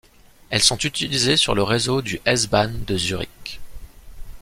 Elles sont utilisées sur le réseau du S-Bahn de Zurich.